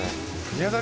宮崎